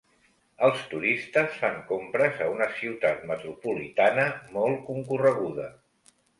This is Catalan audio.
Els turistes fan compres a una ciutat metropolitana molt concorreguda.